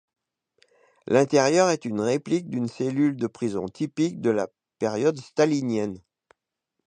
L'intérieur est une réplique d’une cellule de prison typique de la période stalinienne.